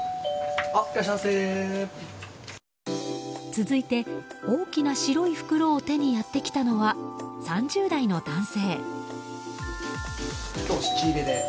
続いて、大きな白い袋を手にやってきたのは３０代の男性。